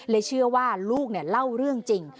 เชื่อว่าลูกเล่าเรื่องจริง